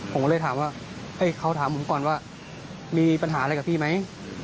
ผมก็เลยถามว่าเขาถามผมก่อนว่ามีปัญหาอะไรกับพี่ไหม